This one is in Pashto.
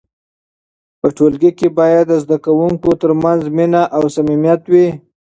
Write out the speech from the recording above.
په ټولګي کې باید د زده کوونکو ترمنځ مینه او صمیمیت وي.